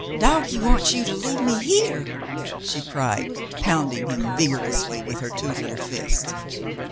"Doggie wants you to leave me here," she cried, pound ing him vigorously with her two little fists.